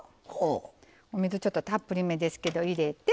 お水、たっぷりめですけど入れて。